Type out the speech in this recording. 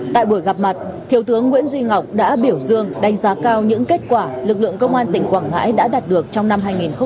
tại buổi gặp mặt thiếu tướng nguyễn duy ngọc đã biểu dương đánh giá cao những kết quả lực lượng công an tỉnh quảng ngãi đã đạt được trong năm hai nghìn hai mươi ba